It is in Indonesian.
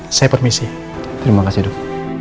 ya saya permisi terima kasih dong